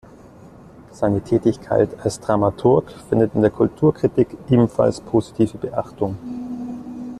Seine Tätigkeit als Dramaturg findet in der Kulturkritik ebenfalls positive Beachtung.